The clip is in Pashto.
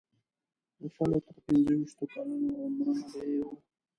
د شلو تر پنځه ویشتو کلونو عمرونه به یې وو.